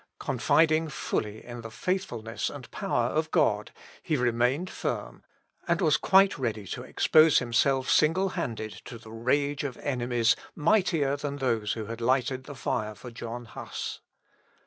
Confiding fully in the faithfulness and power of God, he remained firm, and was quite ready to expose himself single handed to the rage of enemies mightier than those who had lighted the fire for John Huss.